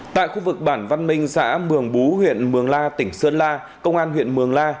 tại khu vực bản văn minh xã mường bú huyện mường la tỉnh sơn la công an huyện mường la